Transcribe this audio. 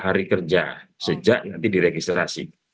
tiga puluh hari kerja sejak nanti diregistrasi